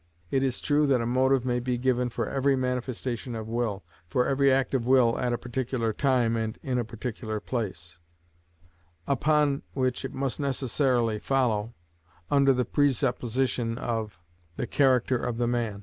It is true that a motive may be given for every manifestation of will, for every act of will at a particular time and in a particular place, upon which it must necessarily follow, under the presupposition of the character of the man.